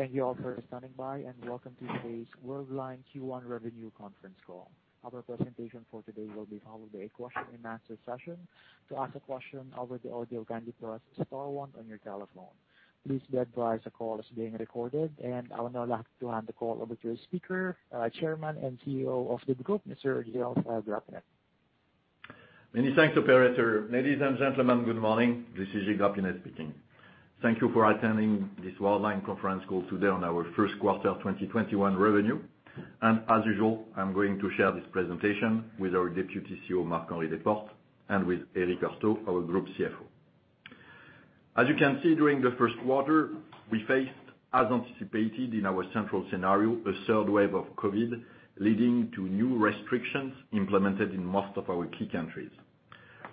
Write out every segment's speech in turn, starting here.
Thank you all for standing by. Welcome to today's Worldline Q1 Revenue Conference Call. Our presentation for today will be followed by a question-and-answer session. Please be advised the call is being recorded. I would now like to hand the call over to the speaker, Chairman and CEO of the group, Mr. Gilles Grapinet. Many thanks, operator. Ladies and gentlemen, good morning. This is Gilles Grapinet speaking. Thank you for attending this Worldline conference call today on our first quarter 2021 revenue. As usual, I'm going to share this presentation with our Deputy CEO, Marc-Henri Desportes, and with Eric Heurtaux, our Group CFO. As you can see, during the first quarter, we faced, as anticipated in our central scenario, a third wave of COVID, leading to new restrictions implemented in most of our key countries.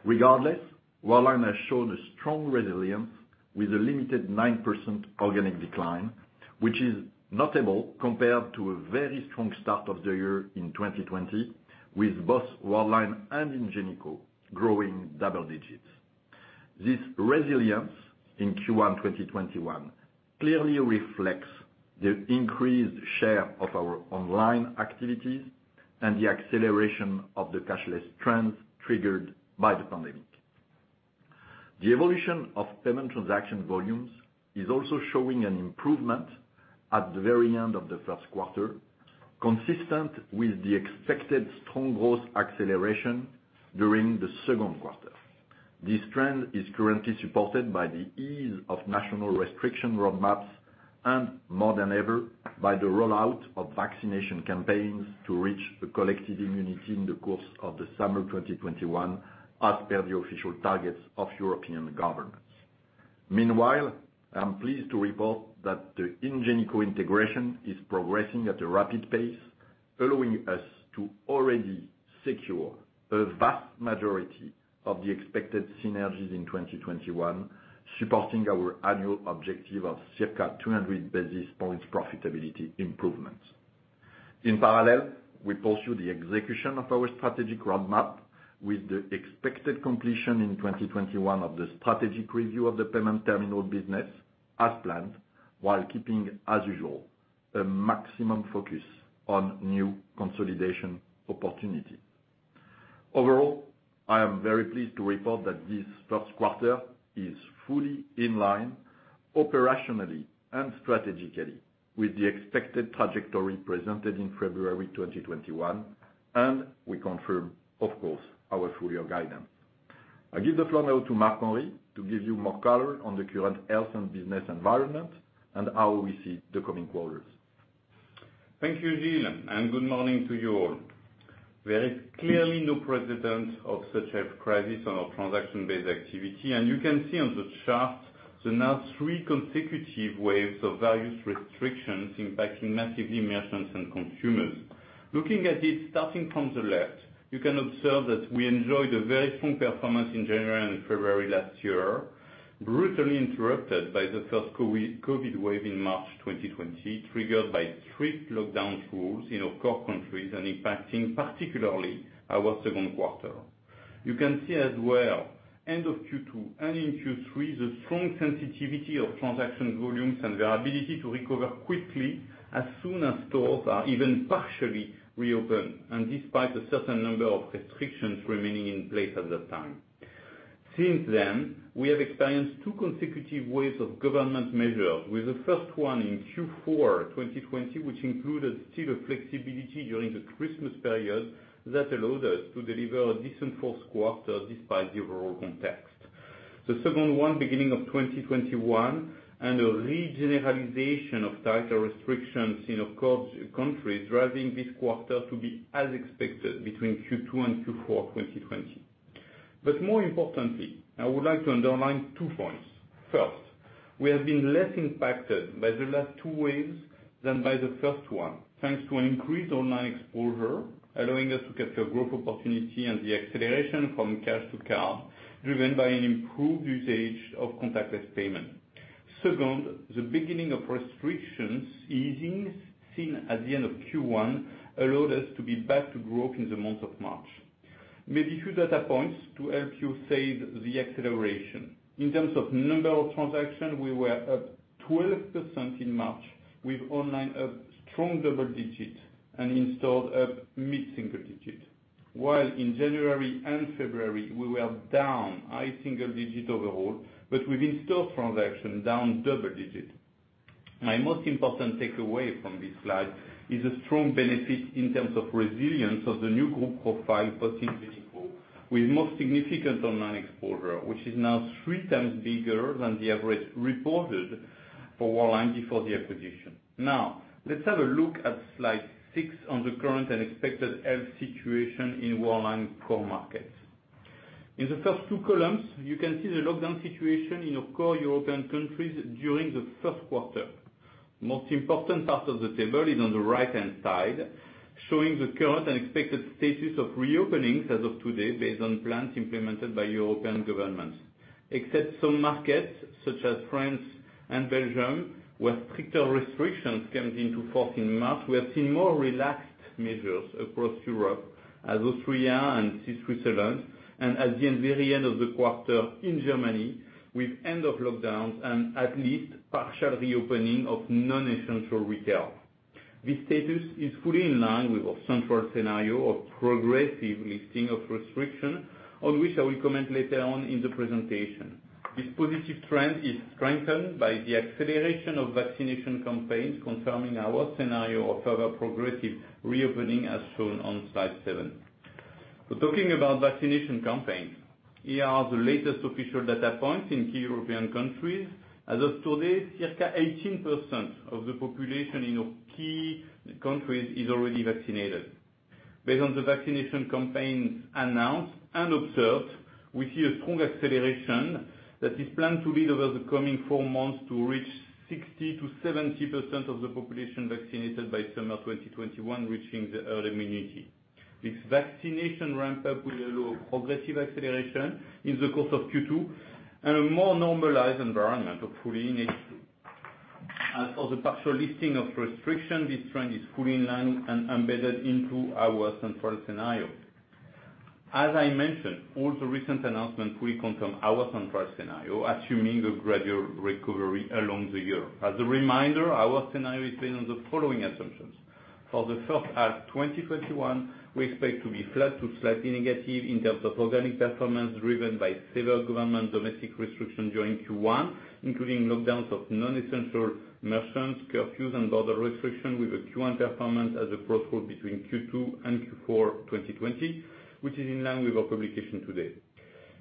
Regardless, Worldline has shown a strong resilience with a limited 9% organic decline, which is notable compared to a very strong start of the year in 2020 with both Worldline and Ingenico growing double digits. This resilience in Q1 2021 clearly reflects the increased share of our online activities and the acceleration of the cashless trends triggered by the pandemic. The evolution of payment transaction volumes is also showing an improvement at the very end of the first quarter, consistent with the expected strong growth acceleration during the second quarter. This trend is currently supported by the ease of national restriction roadmaps and, more than ever, by the rollout of vaccination campaigns to reach the collective immunity in the course of the summer 2021 as per the official targets of European governments. I'm pleased to report that the Ingenico integration is progressing at a rapid pace, allowing us to already secure a vast majority of the expected synergies in 2021, supporting our annual objective of circa 200 basis points profitability improvements. In parallel, we pursue the execution of our strategic roadmap with the expected completion in 2021 of the strategic review of the payment terminal business as planned, while keeping, as usual, a maximum focus on new consolidation opportunities. Overall, I am very pleased to report that this first quarter is fully in line operationally and strategically with the expected trajectory presented in February 2021, and we confirm, of course, our full-year guidance. I give the floor now to Marc-Henri to give you more color on the current health and business environment and how we see the coming quarters. Thank you, Gilles. Good morning to you all. There is clearly no precedent of such a crisis on our transaction-based activity. You can see on the chart the now three consecutive waves of various restrictions impacting massive merchants and consumers. Looking at it, starting from the left, you can observe that we enjoyed a very strong performance in January and February last year, brutally interrupted by the first COVID wave in March 2020, triggered by strict lockdown rules in our core countries and impacting particularly our second quarter. You can see as well, end of Q2 and in Q3, the strong sensitivity of transaction volumes and their ability to recover quickly as soon as stores are even partially reopened, despite a certain number of restrictions remaining in place at that time. Since then, we have experienced two consecutive waves of government measures, with the first one in Q4 2020, which included still a flexibility during the Christmas period that allowed us to deliver a decent fourth quarter despite the overall context. The second one, beginning of 2021, a re-generalization of tighter restrictions in our core countries, driving this quarter to be as expected between Q2 and Q4 2020. More importantly, I would like to underline two points. First, we have been less impacted by the last two waves than by the first one, thanks to an increased online exposure, allowing us to capture growth opportunity and the acceleration from cash to card, driven by an improved usage of contactless payment. Second, the beginning of restrictions easing seen at the end of Q1 allowed us to be back to growth in the month of March. Maybe two data points to help you see the acceleration. In terms of number of transactions, we were up 12% in March, with online up strong double digits and in stores up mid-single digits. In January and February, we were down high single digits overall, but with in-store transactions down double digits. My most important takeaway from this slide is a strong benefit in terms of resilience of the new group profile post-Ingenico, with most significant online exposure, which is now three times bigger than the average reported for Worldline before the acquisition. Let's have a look at slide six on the current and expected health situation in Worldline core markets. In the first two columns, you can see the lockdown situation in our core European countries during the first quarter. Most important part of the table is on the right-hand side, showing the current and expected status of reopenings as of today based on plans implemented by European governments. Except some markets such as France and Belgium, where stricter restrictions came into force in March, we have seen more relaxed measures across Europe, as Austria and Switzerland, and at the very end of the quarter in Germany, with end of lockdowns and at least partial reopening of non-essential retail. This status is fully in line with our central scenario of progressive lifting of restriction, on which I will comment later on in the presentation. This positive trend is strengthened by the acceleration of vaccination campaigns, confirming our scenario of further progressive reopening, as shown on slide seven. Talking about vaccination campaigns, here are the latest official data points in key European countries. As of today, circa 18% of the population in our key countries is already vaccinated. Based on the vaccination campaigns announced and observed, we see a strong acceleration that is planned to be over the coming four months to reach 60%-70% of the population vaccinated by summer 2021, reaching the herd immunity. This vaccination ramp-up will allow progressive acceleration in the course of Q2, and a more normalized environment hopefully in H2. As for the partial lifting of restriction, this trend is fully in line and embedded into our central scenario. As I mentioned, all the recent announcements reconfirm our central scenario, assuming a gradual recovery along the year. As a reminder, our scenario is based on the following assumptions. For the first half 2021, we expect to be flat to slightly negative in terms of organic performance, driven by several government domestic restriction during Q1, including lockdowns of non-essential merchants, curfews, and border restriction, with a Q1 performance as a crossroad between Q2 and Q4 2020, which is in line with our publication today.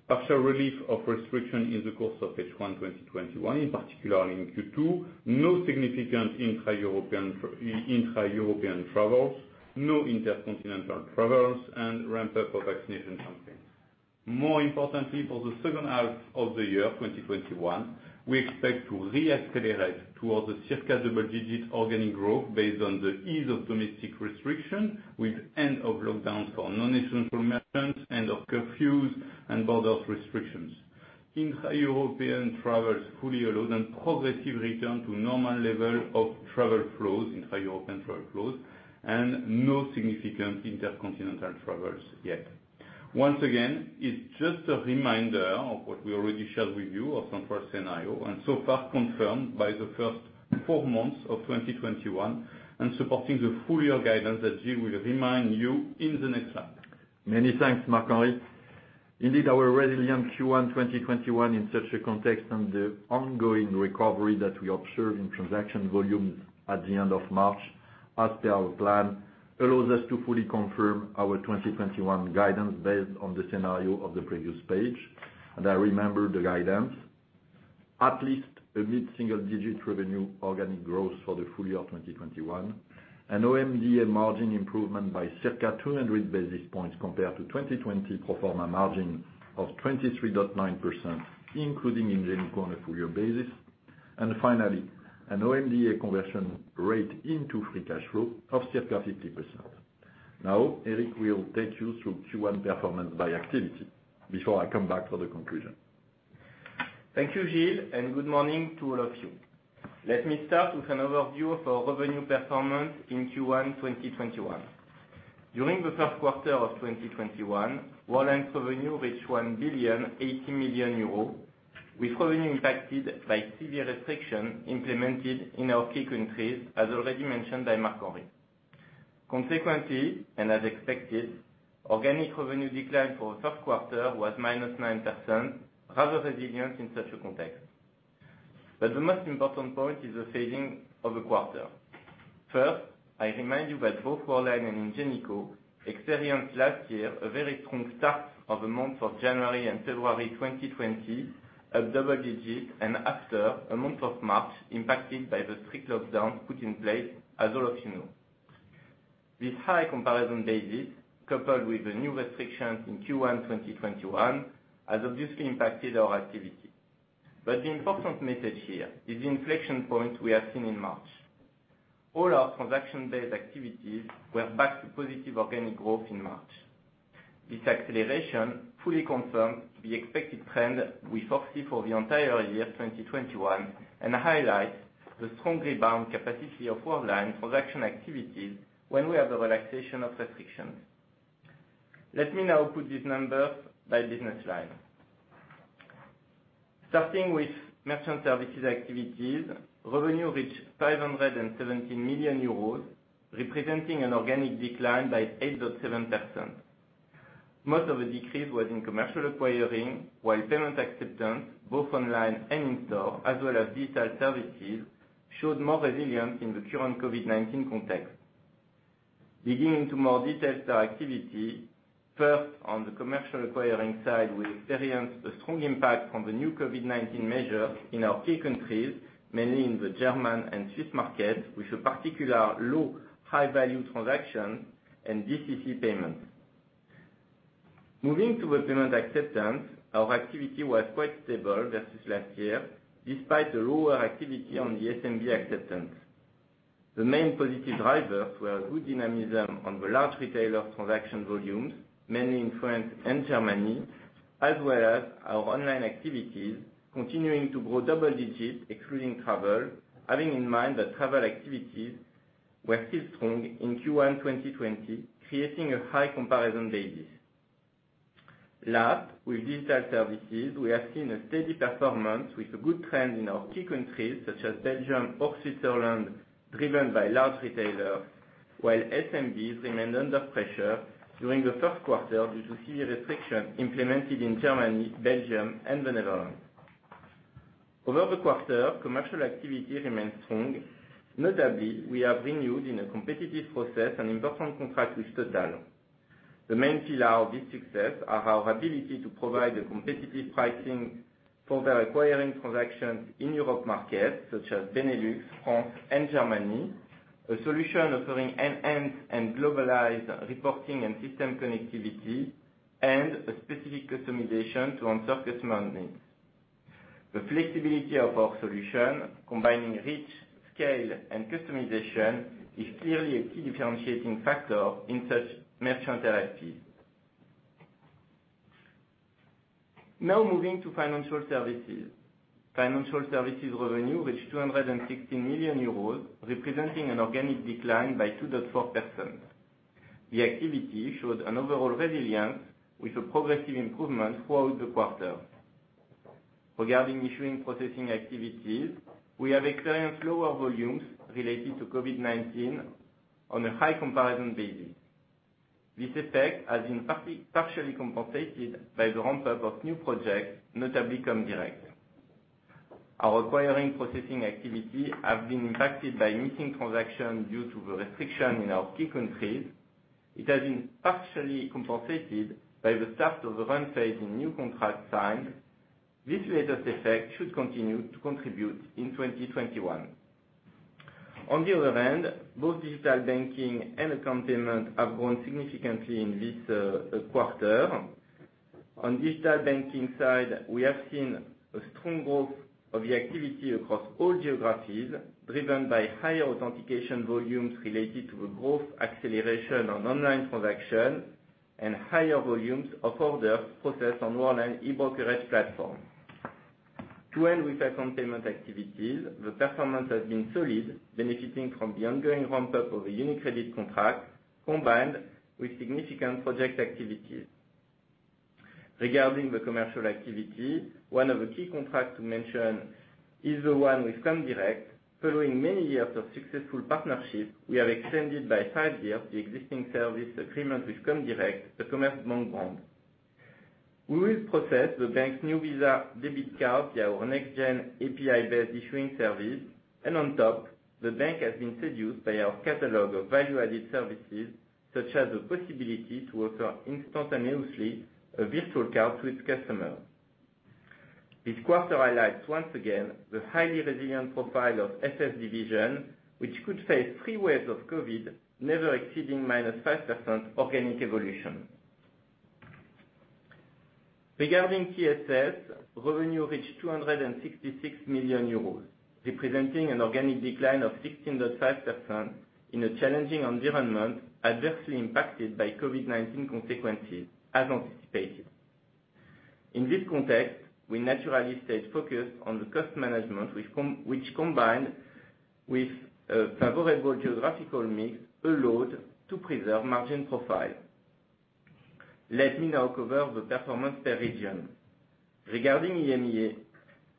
Partial relief of restriction in the course of H1 2021, in particular in Q2. No significant intra-European travels, no intercontinental travels, and ramp-up of vaccination campaigns. More importantly, for the second half of the year 2021, we expect to re-accelerate towards the circa double-digit organic growth based on the ease of domestic restriction with end of lockdowns for non-essential merchants, end of curfews, and borders restrictions. Intra-European travels fully allowed, and progressive return to normal level of travel flows in high European travel flows, and no significant intercontinental travels yet. Once again, it's just a reminder of what we already shared with you of some first scenario, and so far confirmed by the first four months of 2021 and supporting the full-year guidance that Gilles will remind you in the next slide. Many thanks, Marc-Henri. Indeed, our resilient Q1 2021 in such a context and the ongoing recovery that we observe in transaction volumes at the end of March, as per our plan, allows us to fully confirm our 2021 guidance based on the scenario of the previous page. I remember the guidance, at least a mid-single digit revenue organic growth for the full year 2021, an OMDA margin improvement by circa 200 basis points compared to 2020 pro forma margin of 23.9%, including Ingenico on a full-year basis. Finally, an OMDA conversion rate into free cash flow of circa 50%. Now, Eric will take you through Q1 performance by activity before I come back for the conclusion. Thank you, Gilles. Good morning to all of you. Let me start with an overview of our revenue performance in Q1 2021. During the first quarter of 2021, Worldline's revenue reached 1.08 billion, with revenue impacted by severe restriction implemented in our key countries, as already mentioned by Marc-Henri. Consequently, as expected, organic revenue decline for the first quarter was -9%, rather resilient in such a context. The most important point is the fading of the quarter. First, I remind you that both Worldline and Ingenico experienced last year a very strong start of the month of January and February 2020, a double-digit, after, the month of March impacted by the strict lockdown put in place, as all of you know. With high comparison basis, coupled with the new restrictions in Q1 2021, has obviously impacted our activity. The important message here is the inflection point we have seen in March. All our transaction-based activities were back to positive organic growth in March. This acceleration fully confirms the expected trend we foresee for the entire year 2021 and highlights the strongly bound capacity of Worldline transaction activities when we have the relaxation of restrictions. Let me now put these numbers by business line. Starting with Merchant Services activities, revenue reached 517 million euros, representing an organic decline by 8.7%. Most of the decrease was in commercial acquiring, while payment acceptance, both online and in store, as well as digital services, showed more resilience in the current COVID-19 context. Digging into more details to our activity, first, on the commercial acquiring side, we experienced a strong impact from the new COVID-19 measure in our key countries, mainly in the German and Swiss market, with a particular low high-value transaction and DCC payments. Moving to the payment acceptance, our activity was quite stable versus last year, despite the lower activity on the SMB acceptance. The main positive drivers were good dynamism on the large retailer transaction volumes, mainly in France and Germany, as well as our online activities continuing to grow double digits, excluding travel, having in mind that travel activities were still strong in Q1 2020, creating a high comparison basis. Last, with digital services, we have seen a steady performance with a good trend in our key countries such as Belgium or Switzerland, driven by large retailers, while SMBs remained under pressure during the first quarter due to severe restriction implemented in Germany, Belgium, and the Netherlands. Over the quarter, commercial activity remains strong. Notably, we have renewed in a competitive process an important contract with Total. The main pillar of this success are our ability to provide a competitive pricing for the acquiring transactions in Europe markets such as Benelux, France, and Germany, a solution offering enhanced and globalized reporting and system connectivity, and a specific customization to answer customer needs. The flexibility of our solution, combining reach, scale, and customization, is clearly a key differentiating factor in such merchant RFPs. Now moving to financial services. Financial services revenue reached 216 million euros, representing an organic decline by 2.4%. The activity showed an overall resilience with a progressive improvement throughout the quarter. Regarding issuing processing activities, we have experienced lower volumes related to COVID-19 on a high comparison basis. This effect has been partially compensated by the ramp-up of new projects, notably Comdirect. Our acquiring processing activity has been impacted by missing transactions due to the restriction in our key countries. It has been partially compensated by the start of the ramp phase in new contract signed. This latest effect should continue to contribute in 2021. On the other hand, both digital banking and account payment have grown significantly in this quarter. On digital banking side, we have seen a strong growth of the activity across all geographies, driven by higher authentication volumes related to the growth acceleration on online transaction and higher volumes of orders processed on Worldline e-brokerage platform. To end with account payment activities, the performance has been solid, benefiting from the ongoing ramp-up of a UniCredit contract combined with significant project activities. Regarding the commercial activity, one of the key contracts to mention is the one with Comdirect. Following many years of successful partnership, we have extended by five years the existing service agreement with Comdirect, the Commerzbank brand. We will process the bank's new Visa debit card via our next-gen API-based issuing service. On top, the bank has been seduced by our catalog of value-added services, such as the possibility to offer instantaneously a virtual card to its customer. This quarter highlights once again the highly resilient profile of FS division, which could face three waves of COVID, never exceeding minus 5% organic evolution. Regarding TSS, revenue reached 266 million euros, representing an organic decline of 16.5% in a challenging environment adversely impacted by COVID-19 consequences, as anticipated. In this context, we naturally stayed focused on the cost management, which combined with a favorable geographical mix allowed to preserve margin profile. Let me now cover the performance per region. Regarding EMEA,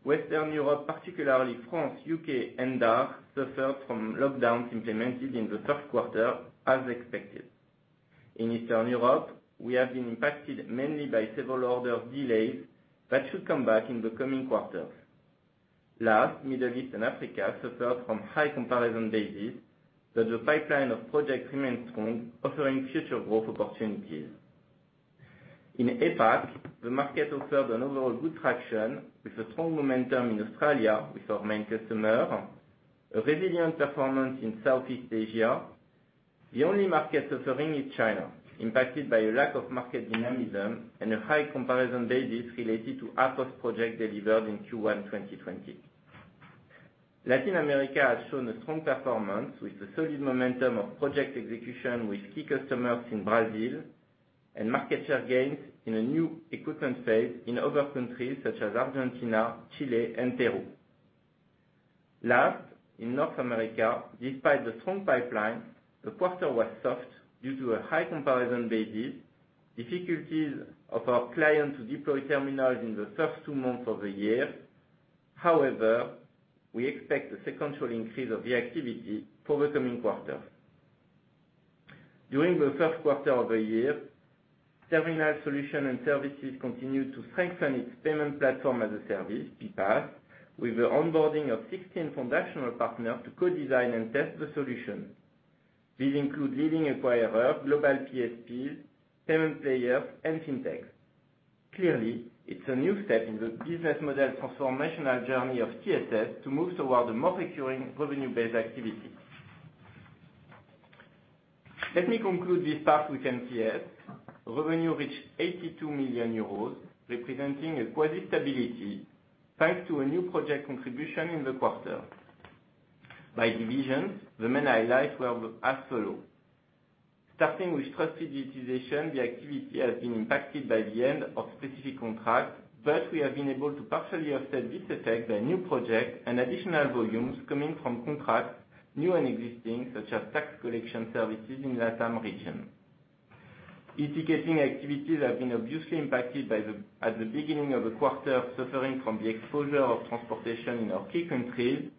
Western Europe, particularly France, U.K., and DACH, suffered from lockdowns implemented in the first quarter as expected. In Eastern Europe, we have been impacted mainly by several order delays that should come back in the coming quarters. Middle East and Africa suffered from high comparison basis, but the pipeline of projects remains strong, offering future growth opportunities. In APAC, the market offered an overall good traction with a strong momentum in Australia with our main customer, a resilient performance in Southeast Asia. The only market suffering is China, impacted by a lack of market dynamism and a high comparison basis related to half of projects delivered in Q1 2020. Latin America has shown a strong performance with the solid momentum of project execution with key customers in Brazil and market share gains in a new equipment phase in other countries such as Argentina, Chile, and Peru. In North America, despite the strong pipeline, the quarter was soft due to a high comparison basis, difficulties of our clients to deploy Terminals in the first two months of the year. We expect a sequential increase of the activity for the coming quarters. During the first quarter of the year, Terminal Solutions & Services continued to strengthen its Payments Platform as a Service, PPaaS, with the onboarding of 16 foundational partners to co-design and test the solution. These include leading acquirers, global PSPs, payment players, and fintechs. It's a new step in the business model transformational journey of TSS to move toward a more recurring revenue-based activity. Let me conclude this part with MTS. Revenue reached 82 million euros, representing a quasi-stability, thanks to a new project contribution in the quarter. By division, the main highlights were as follows. Starting with trusted digitization, the activity has been impacted by the end of specific contracts, but we have been able to partially offset this effect by new projects and additional volumes coming from contracts, new and existing, such as tax collection services in LATAM region. E-ticketing activities have been obviously impacted at the beginning of the quarter, suffering from the exposure of transportation in our key countries.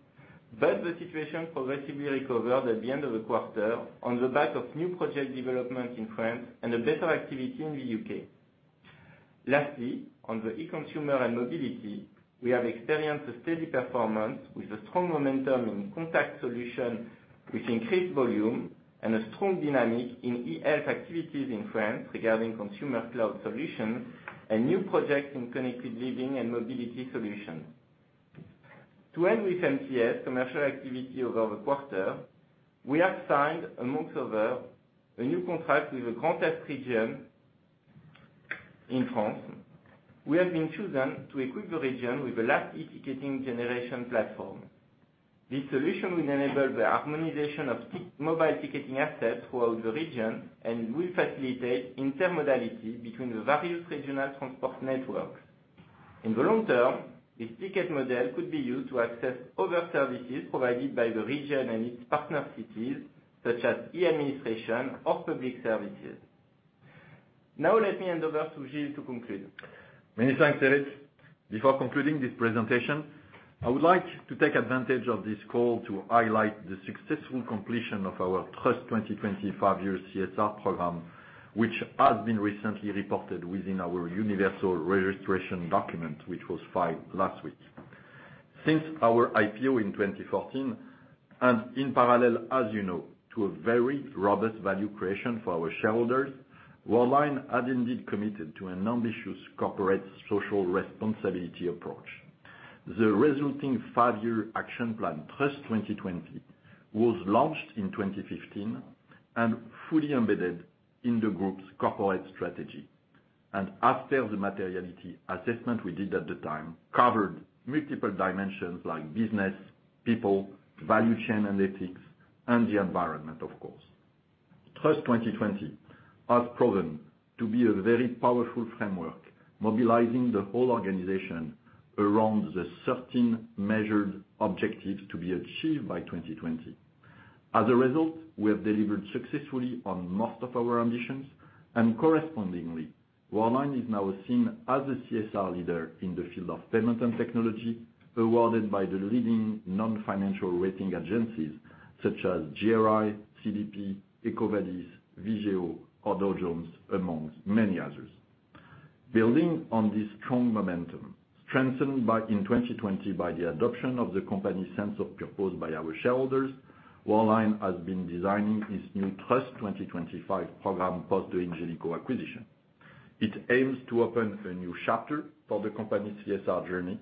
The situation progressively recovered at the end of the quarter on the back of new project development in France and better activity in the U.K. Lastly, on the e-consumer and mobility, we have experienced a steady performance with a strong momentum in contact solution, with increased volume and a strong dynamic in e-health activities in France regarding consumer cloud solutions and new projects in connected living and mobility solutions. To end with MTS commercial activity over the quarter, we have signed amongst over a new contract with the Grand Est region in France. We have been chosen to equip the region with the last e-ticketing generation platform. This solution will enable the harmonization of mobile ticketing assets throughout the region and will facilitate intermodality between the various regional transport networks. In the long term, this ticket model could be used to access other services provided by the region and its partner cities, such as e-administration of public services. Now let me hand over to Gilles to conclude. Many thanks, Eric. Before concluding this presentation, I would like to take advantage of this call to highlight the successful completion of our TRUST 2020 five-year CSR program, which has been recently reported within our universal registration document, which was filed last week. Since our IPO in 2014, and in parallel, as you know, to a very robust value creation for our shareholders, Worldline has indeed committed to an ambitious corporate social responsibility approach. The resulting five-year action plan, TRUST 2020, was launched in 2015 and fully embedded in the group's corporate strategy. After the materiality assessment we did at the time covered multiple dimensions like business, people, value chain analytics, and the environment, of course. TRUST 2020 has proven to be a very powerful framework, mobilizing the whole organization around the 13 measured objectives to be achieved by 2020. As a result, we have delivered successfully on most of our ambitions, and correspondingly, Worldline is now seen as a CSR leader in the field of payment and technology, awarded by the leading non-financial rating agencies such as GRI, CDP, EcoVadis, Vigeo, or Dow Jones, amongst many others. Building on this strong momentum, strengthened in 2020 by the adoption of the company sense of purpose by our shareholders, Worldline has been designing its new TRUST 2025 program, post-Ingenico acquisition. It aims to open a new chapter for the company's CSR journey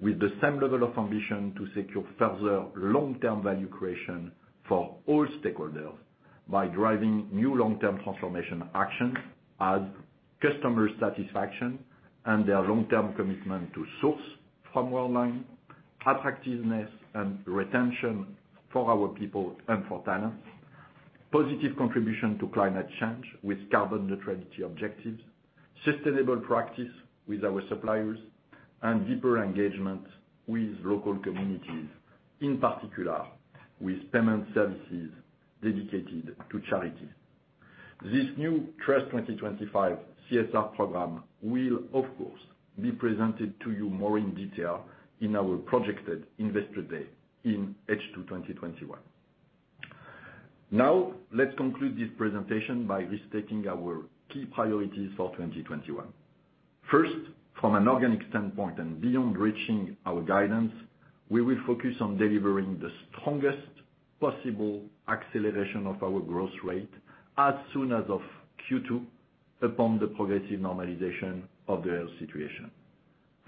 with the same level of ambition to secure further long-term value creation for all stakeholders by driving new long-term transformation actions as customer satisfaction and their long-term commitment to source from Worldline, attractiveness and retention for our people and for talents. Positive contribution to climate change with carbon neutrality objectives, sustainable practice with our suppliers, and deeper engagement with local communities, in particular with payment services dedicated to charities. This new TRUST 2025 CSR program will, of course, be presented to you more in detail in our projected Investor Day in H2 2021. Now, let's conclude this presentation by restating our key priorities for 2021. First, from an organic standpoint and beyond reaching our guidance, we will focus on delivering the strongest possible acceleration of our growth rate as soon as of Q2, upon the progressive normalization of the health situation.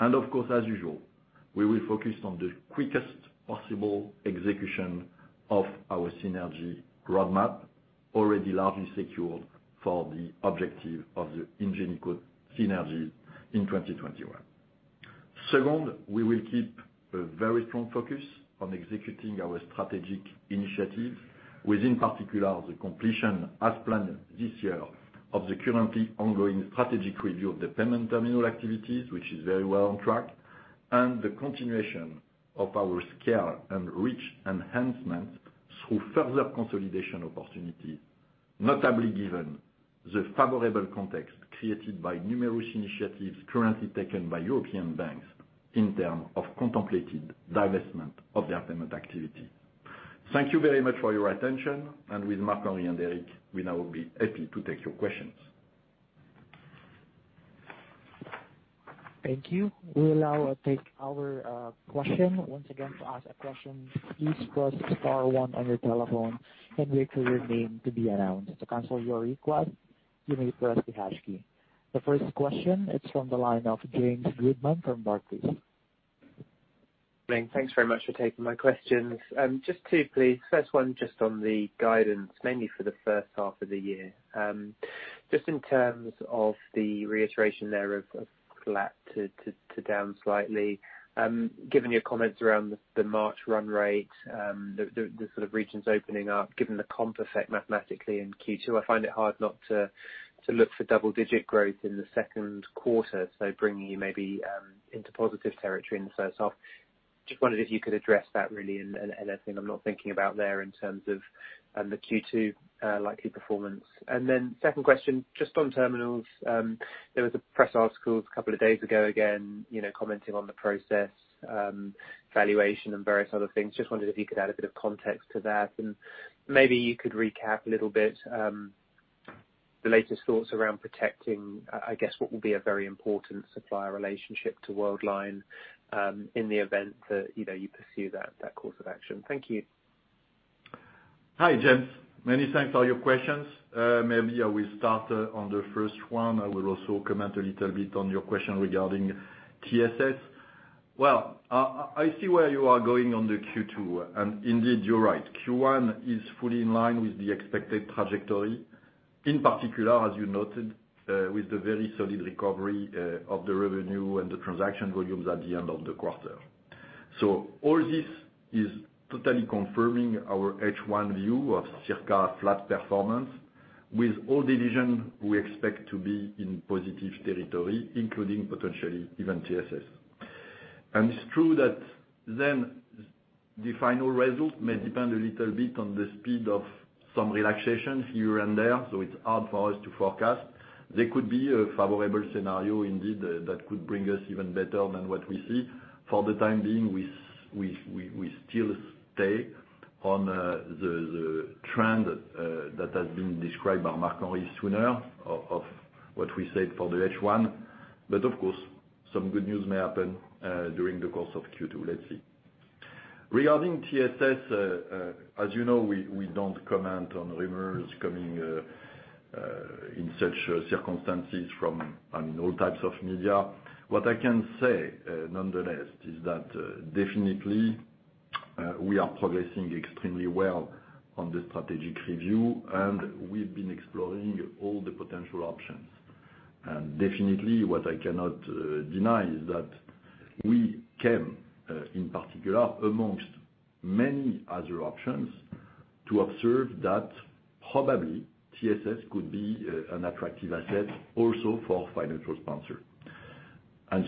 Of course, as usual, we will focus on the quickest possible execution of our synergy roadmap, already largely secured for the objective of the Ingenico synergy in 2021. Second, we will keep a very strong focus on executing our strategic initiatives within particular the completion as planned this year of the currently ongoing strategic review of the payment terminal activities, which is very well on track, and the continuation of our scale and reach enhancement through further consolidation opportunities, notably given the favorable context created by numerous initiatives currently taken by European banks in terms of contemplated divestment of their payment activity. Thank you very much for your attention. With Marc-Henri and Eric, we now will be happy to take your questions. Thank you. We'll now take our question. The first question is from the line of James Goodman from Barclays. James, thanks very much for taking my questions. Just two, please. First one, just on the guidance, mainly for the first half of the year. Just in terms of the reiteration there of flat to down slightly. Given your comments around the March run rate, the sort of regions opening up, given the comp effect mathematically in Q2, I find it hard not to look for double-digit growth in the second quarter, so bringing you maybe into positive territory in the first half. Just wondered if you could address that really, anything I'm not thinking about there in terms of the Q2 likely performance. Then second question, just on Terminals. There was a press article a couple of days ago, again, commenting on the process, valuation, and various other things. Just wondered if you could add a bit of context to that, and maybe you could recap a little bit, the latest thoughts around protecting, I guess, what will be a very important supplier relationship to Worldline, in the event that you pursue that course of action. Thank you. Hi, James. Many thanks for all your questions. Maybe I will start on the first one. I will also comment a little bit on your question regarding TSS. Well, I see where you are going on the Q2. Indeed, you're right. Q1 is fully in line with the expected trajectory, in particular, as you noted, with the very solid recovery of the revenue and the transaction volumes at the end of the quarter. All this is totally confirming our H1 view of circa flat performance. With all division, we expect to be in positive territory, including potentially even TSS. It's true that the final result may depend a little bit on the speed of some relaxations here and there. It's hard for us to forecast. There could be a favorable scenario indeed that could bring us even better than what we see. For the time being, we still stay on the trend that has been described by Marc-Henri sooner of what we said for the H1. Of course, some good news may happen during the course of Q2. Let's see. Regarding TSS, as you know, we don't comment on rumors coming in such circumstances from all types of media. What I can say, nonetheless, is that definitely, we are progressing extremely well on the strategic review, and we've been exploring all the potential options. Definitely what I cannot deny is that we came, in particular, amongst many other options, to observe that probably TSS could be an attractive asset also for financial sponsor.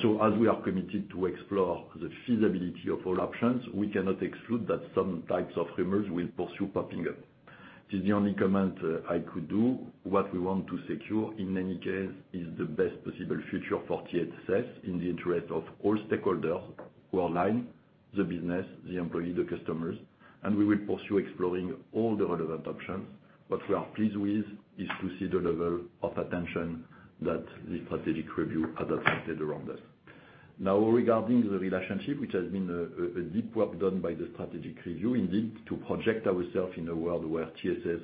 So as we are committed to explore the feasibility of all options, we cannot exclude that some types of rumors will pursue popping up. This is the only comment I could do. What we want to secure, in any case, is the best possible future for TSS in the interest of all stakeholders, Worldline, the business, the employee, the customers, and we will pursue exploring all the relevant options. What we are pleased with is to see the level of attention that the strategic review has attracted around us. Regarding the relationship, which has been a deep work done by the strategic review, indeed, to project ourselves in a world where TSS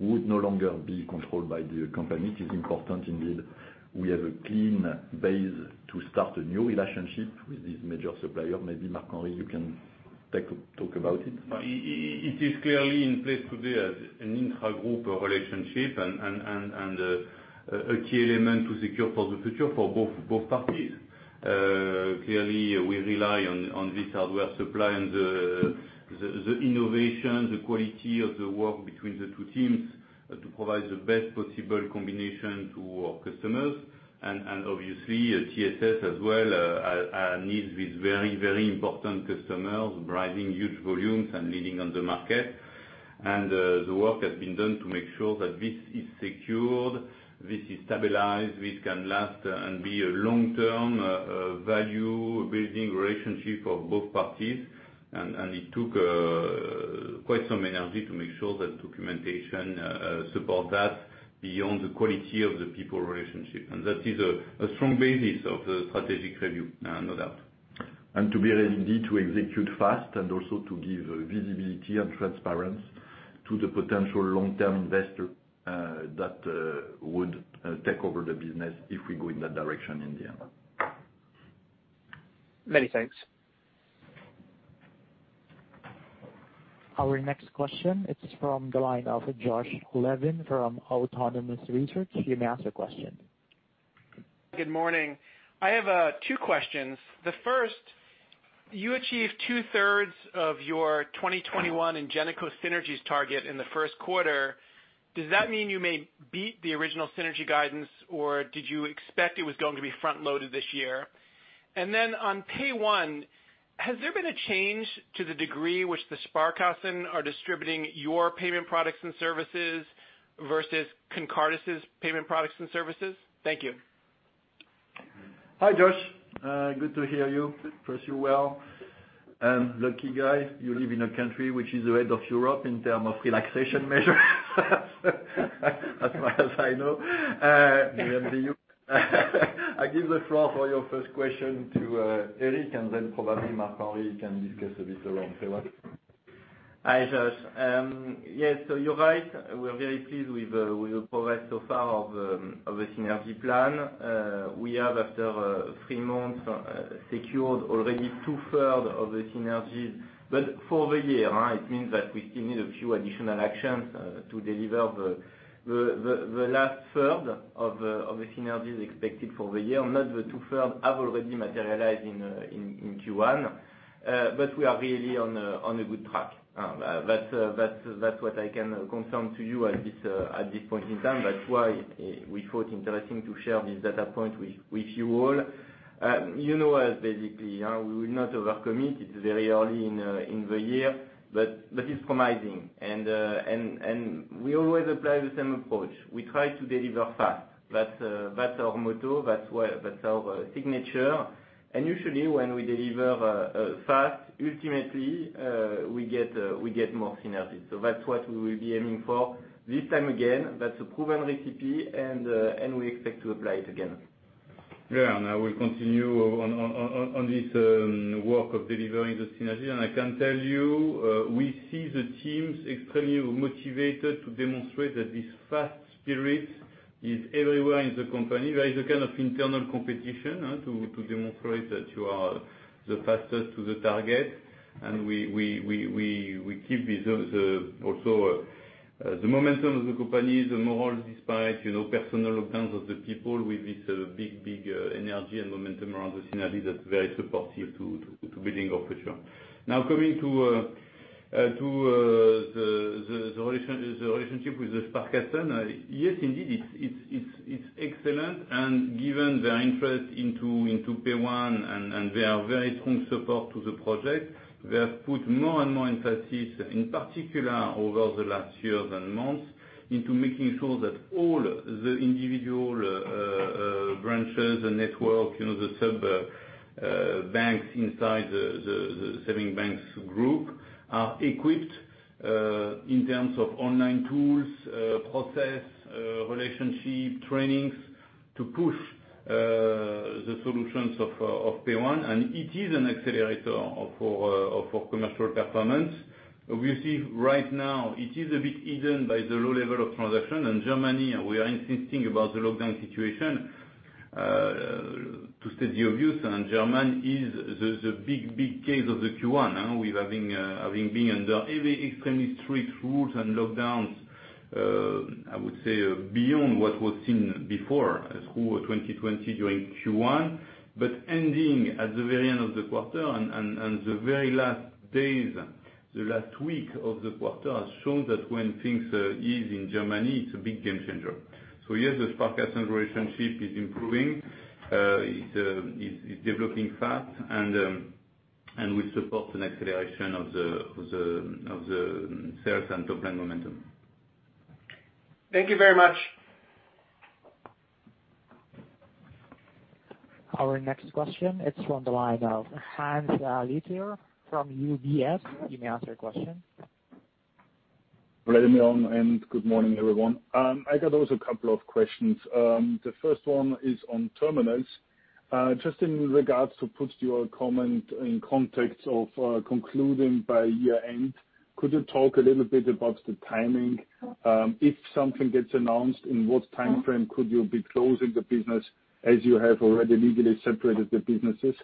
would no longer be controlled by the company. It is important indeed, we have a clean base to start a new relationship with this major supplier. Maybe, Marc-Henri, you can talk about it. It is clearly in place today as an intra-group relationship and a key element to secure for the future for both parties. Clearly, we rely on this hardware supply and the innovation, the quality of the work between the two teams to provide the best possible combination to our customers. Obviously, TSS as well needs these very, very important customers driving huge volumes and leading on the market. The work has been done to make sure that this is secured, this is stabilized, this can last and be a long-term, value-building relationship for both parties. It took quite some energy to make sure that documentation support that beyond the quality of the people relationship. That is a strong basis of the strategic review, no doubt. To be ready to execute fast and also to give visibility and transparency to the potential long-term investor that would take over the business if we go in that direction in the end. Many thanks. Our next question is from the line of Josh Levine from Autonomous Research. You may ask your question. Good morning. I have two questions. The first, you achieved 2/3 of your 2021 Ingenico synergies target in the first quarter. Does that mean you may beat the original synergy guidance, or did you expect it was going to be front-loaded this year? On PAYONE, has there been a change to the degree which the Sparkassen are distributing your payment products and services versus Concardis' payment products and services? Thank you. Hi, Josh. Good to hear you. Trust you well. Lucky guy, you live in a country which is ahead of Europe in terms of relaxation measures as far as I know. I give the floor for your first question to Eric, and then probably Marc-Henri can discuss a bit around PAYONE. Hi, Josh. Yes, you're right. We are very pleased with the progress so far of the synergy plan. We have, after three months, secured already two-third of the synergies. For the year, it means that we still need a few additional actions to deliver the last third of the synergies expected for the year. Not the two-third have already materialized in Q1. We are really on a good track. That's what I can confirm to you at this point in time. That's why we thought interesting to share this data point with you all. You know us, basically. We will not over-commit. It's very early in the year, but it's promising. We always apply the same approach. We try to deliver fast. That's our motto, that's our signature. Usually, when we deliver fast, ultimately, we get more synergies. That's what we will be aiming for this time again, that's a proven recipe, and we expect to apply it again. Yeah. I will continue on this work of delivering the synergy. I can tell you, we see the teams extremely motivated to demonstrate that this fast spirit is everywhere in the company. There is a kind of internal competition to demonstrate that you are the fastest to the target. We keep this. Also, the momentum of the company, the morals, despite personal lockdowns of the people with this big energy and momentum around the synergy, that's very supportive to building our future. Now, coming to the relationship with the Sparkassen. Yes, indeed, it's excellent. Given their interest into PAYONE and their very strong support to the project, they have put more and more emphasis, in particular over the last years and months, into making sure that all the individual branches, the network, the sub-banks inside the saving bank's group, are equipped in terms of online tools, process, relationship, trainings, to push the solutions of PAYONE. It is an accelerator for commercial performance. We see right now it is a bit hidden by the low level of transaction. In Germany, we are insisting about the lockdown situation to study business, and Germany is the big case of the Q1, with having been under extremely strict rules and lockdowns, I would say, beyond what was seen before through 2020 during Q1. Ending at the very end of the quarter, and the very last days, the last week of the quarter has shown that when things ease in Germany, it's a big game changer. Yes, the Sparkassen relationship is improving. It's developing fast, and will support an acceleration of the sales and top-line momentum. Thank you very much. Our next question, it's from the line of Hannes Leitner from UBS. You may ask your question. Good morning, everyone. I got also a couple of questions. The first one is on Terminals. Just in regards to put your comment in context of concluding by year-end, could you talk a little bit about the timing? If something gets announced, in what time frame could you be closing the business, as you have already legally separated the businesses?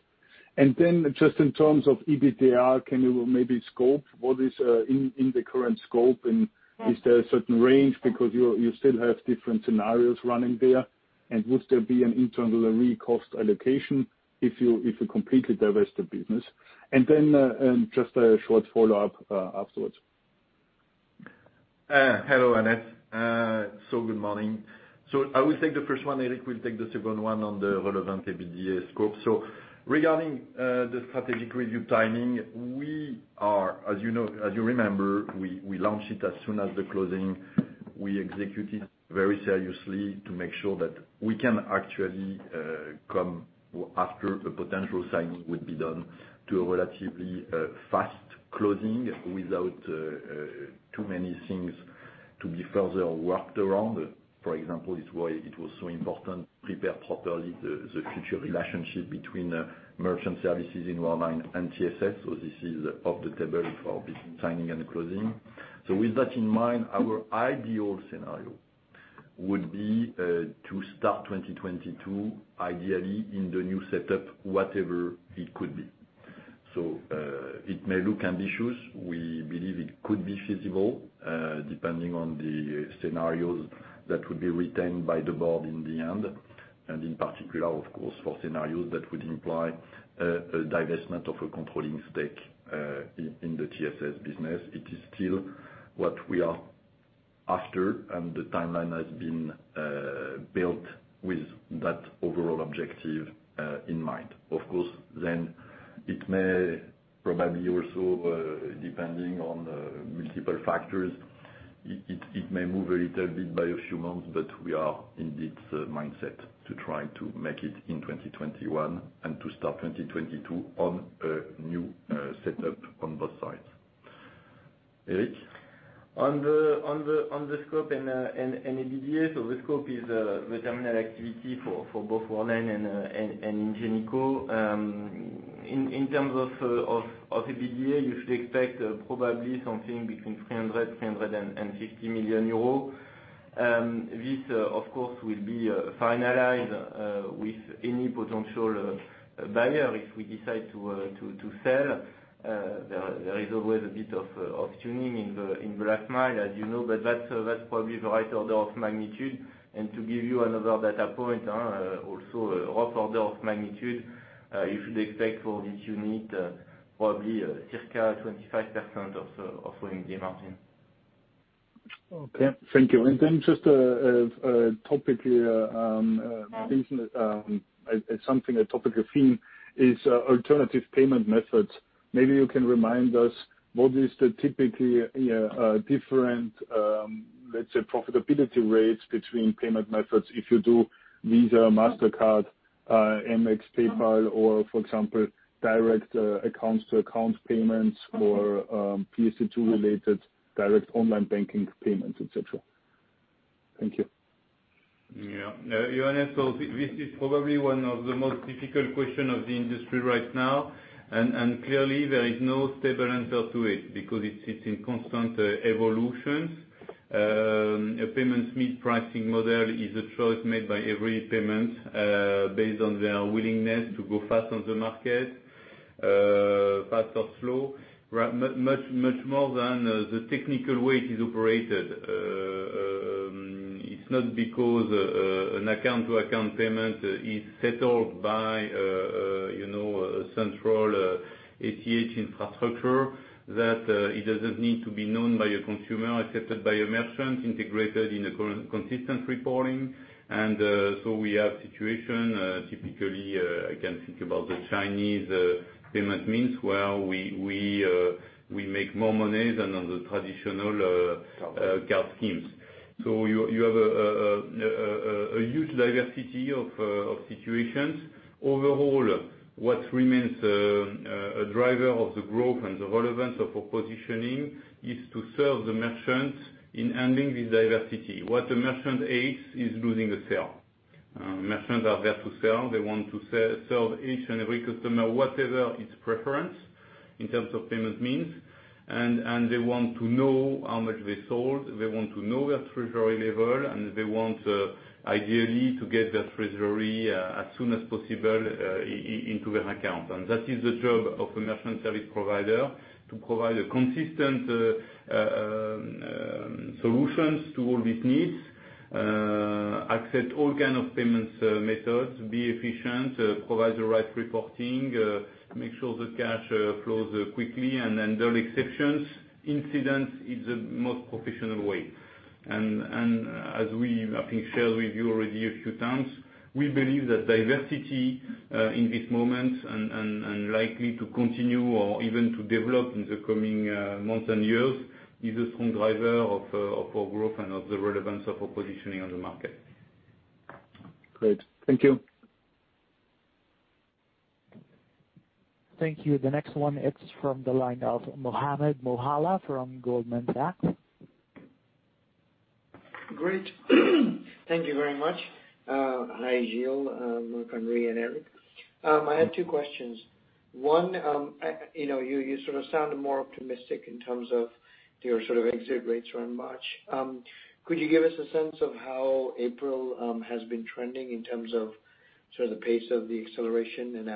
Just in terms of EBITDA, can you maybe scope what is in the current scope, and is there a certain range because you still have different scenarios running there? Would there be an internal re-cost allocation if you completely divest the business? Just a short follow-up afterwards. Hello, Hannes. Good morning. I will take the first one, Eric will take the second one on the relevant EBITDA scope. Regarding the strategic review timing, as you remember, we launched it as soon as the closing. We executed very seriously to make sure that we can actually come after the potential signing would be done to a relatively fast closing without too many things to be further worked around. For example, it's why it was so important prepare properly the future relationship between Merchant Services in Worldline and TSS. This is off the table for business signing and closing. With that in mind, our ideal scenario would be to start 2022, ideally, in the new setup, whatever it could be. It may look ambitious. We believe it could be feasible, depending on the scenarios that would be retained by the board in the end, in particular, of course, for scenarios that would imply a divestment of a controlling stake in the TSS business. It is still what we are after, the timeline has been built with that overall objective in mind. Of course, it may probably also, depending on multiple factors, it may move a little bit by a few months, we are in this mindset to try to make it in 2021, to start 2022 on a new setup on both sides. Eric? The scope and EBITDA. The scope is the Terminal activity for both Worldline and Ingenico. In terms of EBITDA, you should expect probably something between 300 million-350 million euros. This, of course, will be finalized with any potential buyer if we decide to sell. There is always a bit of tuning in the last mile as you know. That's probably the right order of magnitude. To give you another data point, also a rough order of magnitude, you should expect for this unit probably circa 25% of EBITDA margin. Okay, thank you. Then just a topic here. I think something, a topic or theme is alternative payment methods. Maybe you can remind us what is the typically different, let's say, profitability rates between payment methods if you do Visa, Mastercard, Amex, PayPal, or for example, direct accounts to account payments or PSD2 related direct online banking payments, et cetera. Thank you. Yeah. Hannes, this is probably one of the most difficult question of the industry right now, and clearly there is no stable answer to it because it's in constant evolution. A payments mix pricing model is a choice made by every PSP, based on their willingness to go fast on the market, fast or slow, much more than the technical way it is operated. It's not because an account to account payment is settled by a central ACH infrastructure that it doesn't need to be known by a consumer, accepted by a merchant, integrated in a consistent reporting. We have situation, typically, I can think about the Chinese payment means where we make more monies than on the traditional card schemes. You have a huge diversity of situations. Overall, what remains a driver of the growth and the relevance of our positioning is to serve the merchant in handling this diversity. What the merchant hates is losing a sale. Merchants are there to sell. They want to serve each and every customer, whatever its preference in terms of payment means. They want to know how much they sold. They want to know their treasury level, and they want ideally to get their treasury as soon as possible, into their account. That is the job of a merchant service provider, to provide a consistent solutions to all these needs, accept all kind of payments methods, be efficient, provide the right reporting, make sure that cash flows quickly and handle exceptions, incidents in the most professional way. As we I think shared with you already a few times, we believe that diversity in this moment and likely to continue or even to develop in the coming months and years is a strong driver of our growth and of the relevance of our positioning on the market. Great. Thank you. Thank you. The next one, it's from the line of Mohammed Moawalla from Goldman Sachs. Great. Thank you very much. Hi, Gilles, Marc-Henri, and Eric. I had two questions. One, you sort of sounded more optimistic in terms of your sort of exit rates around March. Could you give us a sense of how April has been trending in terms of sort of the pace of the acceleration?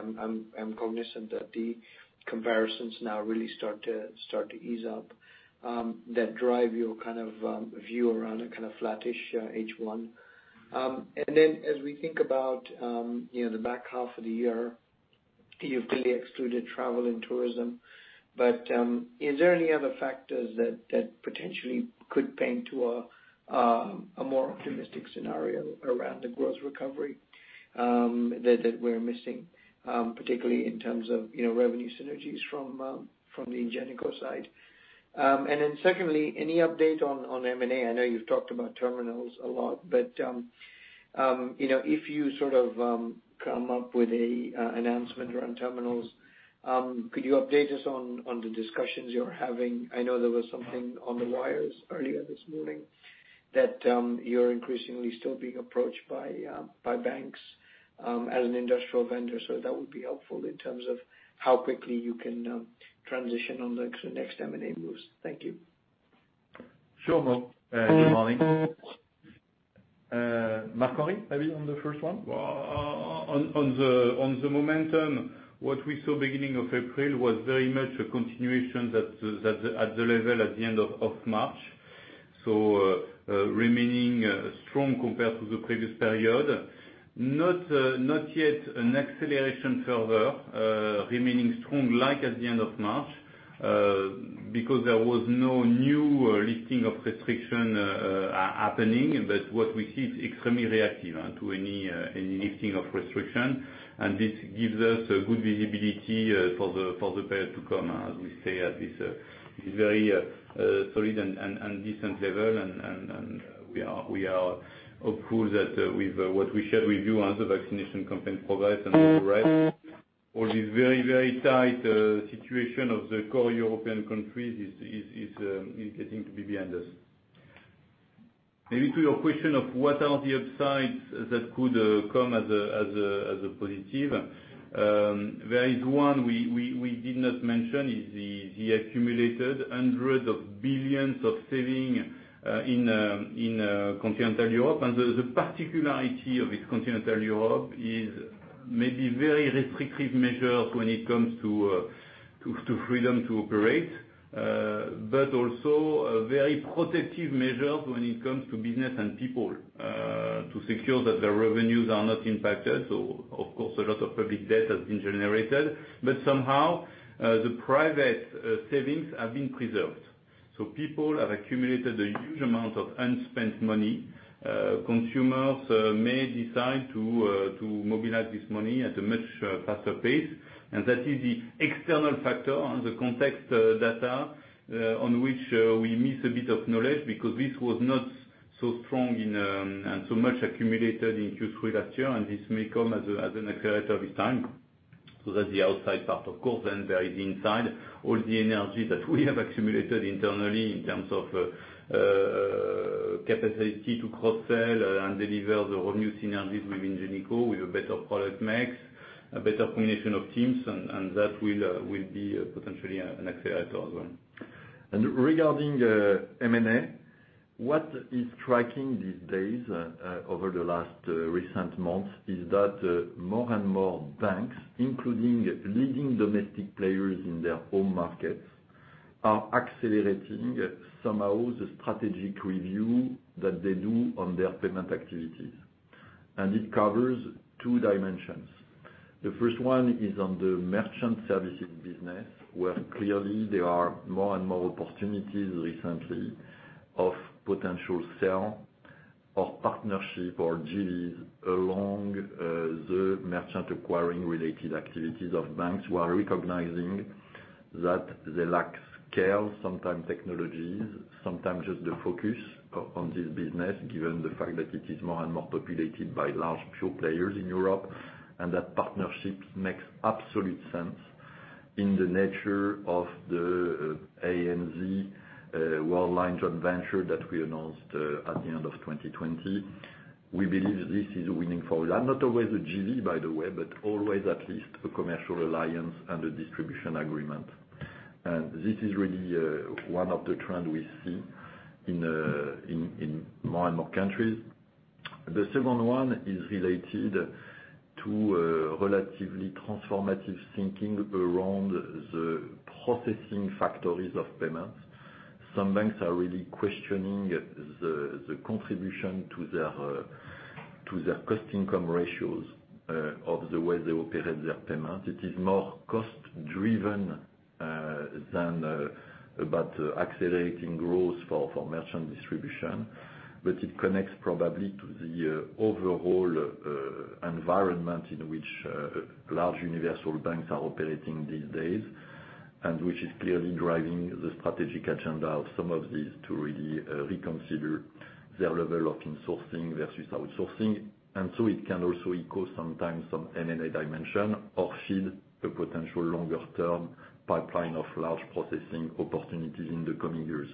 I'm cognizant that the comparisons now really start to ease up, that drive your kind of view around a kind of flattish H1. As we think about the back half of the year, you've clearly excluded travel and tourism, but is there any other factors that potentially could paint to a more optimistic scenario around the growth recovery that we're missing, particularly in terms of revenue synergies from the Ingenico side? Secondly, any update on M&A? I know you've talked about Terminals a lot. If you sort of come up with a announcement around Terminals, could you update us on the discussions you're having? I know there was something on the wires earlier this morning that you're increasingly still being approached by banks as an industrial vendor. That would be helpful in terms of how quickly you can transition on the next M&A moves. Thank you. Sure, Mo. Good morning. Marc-Henri, maybe on the first one? On the momentum, what we saw beginning of April was very much a continuation at the level at the end of March, remaining strong compared to the previous period. Not yet an acceleration further, remaining strong like at the end of March, because there was no new lifting of restriction happening. What we see is extremely reactive to any lifting of restriction, and this gives us a good visibility for the period to come, as we say, at this very solid and decent level. We are approved that with what we shared with you on the vaccination campaign progress and the rest, all this very tight situation of the core European countries is getting to be behind us. Maybe to your question of what are the upsides that could come as a positive. There is one we did not mention, is the accumulated hundreds of billions of saving in Continental Europe. The particularity of this Continental Europe is maybe very restrictive measures when it comes to freedom to operate, also a very protective measure. When it comes to business and people, to secure that their revenues are not impacted. Of course, a lot of public debt has been generated, but somehow the private savings have been preserved. People have accumulated a huge amount of unspent money. Consumers may decide to mobilize this money at a much faster pace, and that is the external factor on the context data, on which we miss a bit of knowledge because this was not so strong and so much accumulated in Q3 last year, and this may come as an accelerator with time. That's the outside part, of course. There is inside, all the energy that we have accumulated internally in terms of capacity to cross-sell and deliver the revenue synergies within Ingenico, with a better product mix, a better combination of teams, and that will be potentially an accelerator as well. Regarding M&A, what is striking these days, over the last recent months, is that more and more banks, including leading domestic players in their home markets, are accelerating somehow the strategic review that they do on their payment activities. It covers two dimensions. The first one is on the merchant services business, where clearly there are more and more opportunities recently of potential sale or partnership or JVs along the merchant acquiring related activities of banks who are recognizing that they lack scale, sometimes technologies, sometimes just the focus on this business, given the fact that it is more and more populated by large pure players in Europe, and that partnership makes absolute sense in the nature of the ANZ Worldline joint venture that we announced at the end of 2020. We believe this is winning for all. Not always a JV, by the way, but always at least a commercial alliance and a distribution agreement. This is really one of the trends we see in more and more countries. The second one is related to relatively transformative thinking around the processing factories of payments. Some banks are really questioning the contribution to their cost income ratios of the way they operate their payments. It is more cost driven than about accelerating growth for merchant distribution. It connects probably to the overall environment in which large universal banks are operating these days, and which is clearly driving the strategic agenda of some of these to really reconsider their level of insourcing versus outsourcing. It can also echo sometimes some M&A dimension or feed a potential longer term pipeline of large processing opportunities in the coming years.